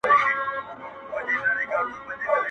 جهاني زما چي په یادیږي دا جنت وطن وو!!